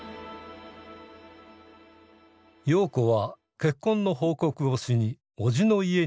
陽子は結婚の報告をしに伯父の家に行った。